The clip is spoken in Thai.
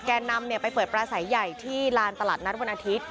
นำไปเปิดปลาสายใหญ่ที่ลานตลาดนัดวันอาทิตย์